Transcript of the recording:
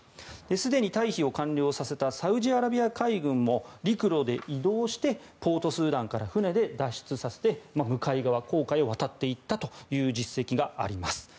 すでに退避を完了させたサウジアラビア海軍も陸路で移動してポート・スーダンから船で脱出させて向かい側、紅海を渡っていった実績があります。